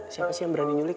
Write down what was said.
siapa sih yang berani nyulik